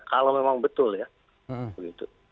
kalau memang betul ya begitu